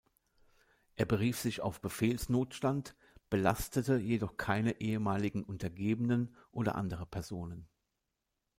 Er berief sich auf Befehlsnotstand, belastete jedoch keine ehemaligen Untergebenen oder andere Personen.